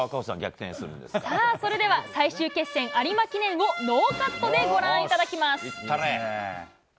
それでは最終決戦・有馬記念をノーカットでご覧いただきます。